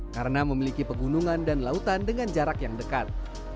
karena memiliki pegunungan dan lautan dengan jarak yang dekat